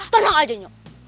tenang aja nyok